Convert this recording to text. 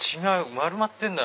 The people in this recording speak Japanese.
丸まってんだ。